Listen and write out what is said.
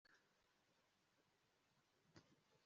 wowe ubunebwe buzana amarira mumaso yanjye